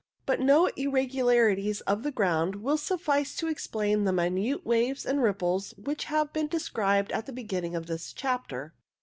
But no irregularities of the ground will suffice to explain the minute waves and ripples which have been described at the beginning of this chapter.